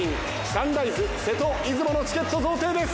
サンライズ瀬戸・出雲のチケット贈呈です。